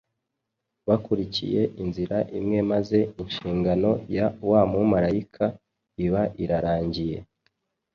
Bakurikiye inzira imwe maze inshingano ya wa mumarayika iba irarangiye